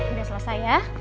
udah selesai ya